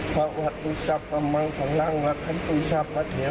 พระวัตถุศัพท์ประมังฝรั่งหลักทันตุศัพท์ประเทียม